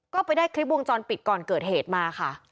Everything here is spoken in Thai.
ก็ไปได้คลิปวงจรปิดก่อนเกิดเหตุมาค่ะ